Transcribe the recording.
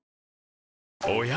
おや？